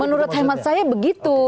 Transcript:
menurut hemat saya begitu